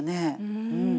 うん。